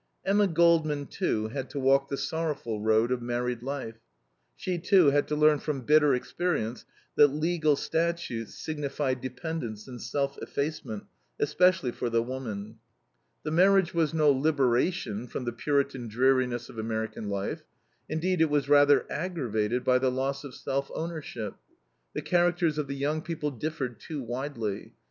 Emma Goldman, too, had to walk the sorrowful road of married life; she, too, had to learn from bitter experience that legal statutes signify dependence and self effacement, especially for the woman. The marriage was no liberation from the Puritan dreariness of American life; indeed, it was rather aggravated by the loss of self ownership. The characters of the young people differed too widely.